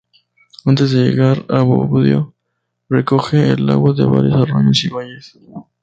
Antes de llegar a Bobbio recoge el agua de varios arroyos y valles.